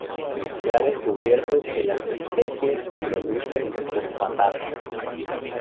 Se ha descubierto que las especies producen fosfatasas.